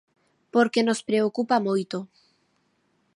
Porque nos preocupa moito.